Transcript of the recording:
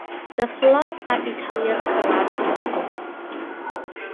The floors are Italian Carrara marble.